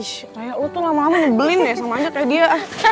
ih raya lo tuh lama lama ngebelin deh sama aja kayak dia